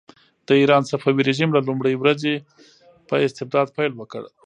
د ایران صفوي رژیم له لومړۍ ورځې په استبداد پیل وکړ.